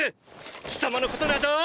貴様のことなど！